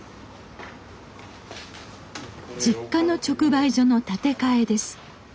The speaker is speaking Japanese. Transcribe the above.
実家の直売所の建て替えです。